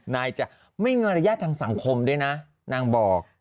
นายจ้าไม่มีเงินระยะทางสังคมด้วยนะนางบอก